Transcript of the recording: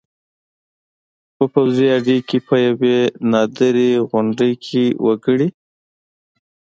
په پوځي اډې کې په یوې نادرې غونډې کې وکړې